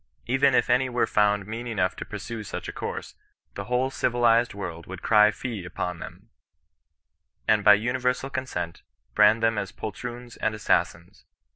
Even if any were found mean enough to pursue such a course, the whole civilized world would cry fie upon them, and, by universal consent, brand them as poltroons and assas sins.